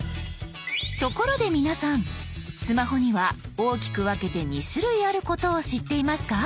ところで皆さんスマホには大きく分けて２種類あることを知っていますか？